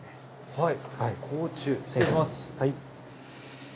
はい。